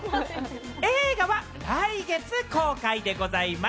映画は来月公開でございます。